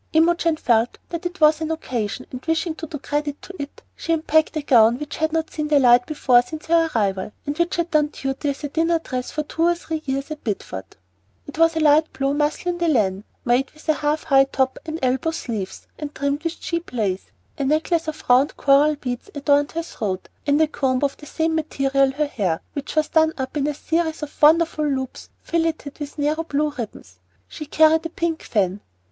Imogen felt that it was an occasion, and wishing to do credit to it, she unpacked a gown which had not seen the light before since her arrival, and which had done duty as a dinner dress for two or three years at Bideford. It was of light blue mousselaine de laine, made with a "half high top" and elbow sleeves, and trimmed with cheap lace. A necklace of round coral beads adorned her throat, and a comb of the same material her hair, which was done up in a series of wonderful loops filleted with narrow blue ribbons. She carried a pink fan.